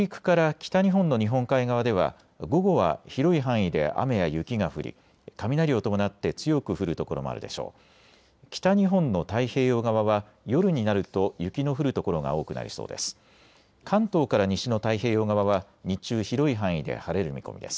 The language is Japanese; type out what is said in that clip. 北日本の太平洋側は夜になると雪の降る所が多くなりそうです。